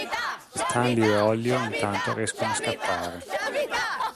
Stanlio e Ollio intanto riescono a scappare.